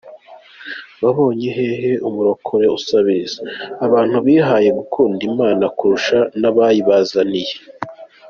Wabonye hehe umurokore usabiriza? Abantu bihaye gukunda Imana kurusha n'abayibazaniye.